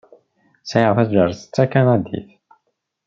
Sεiɣ taǧaret d takanadit.